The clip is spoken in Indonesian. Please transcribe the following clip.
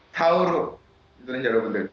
tauro indonesia ya rabun